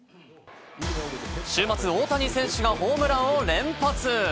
週末、大谷選手がホームランを連発。